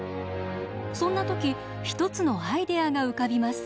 そんな時一つのアイデアが浮かびます。